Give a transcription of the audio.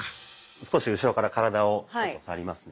少し後ろから体を触りますね。